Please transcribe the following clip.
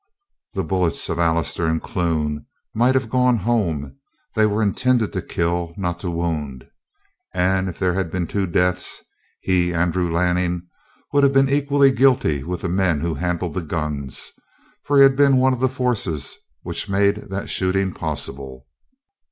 The bullets of Allister and Clune might have gone home they were intended to kill, not to wound. And if there had been two deaths he, Andrew Lanning, would have been equally guilty with the men who handled the guns, for he had been one of the forces which made that shooting possible.